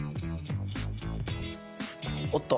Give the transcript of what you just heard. おっと。